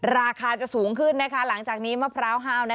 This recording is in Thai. ราคาจะสูงขึ้นนะคะหลังจากนี้มะพร้าวห้าว